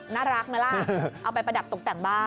น่ารักไหมล่ะเอาไปประดับตกแต่งบ้าน